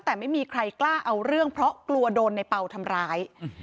แต่ไม่มีใครกล้าเอาเรื่องเพราะกลัวโดนในเป่าทำร้าย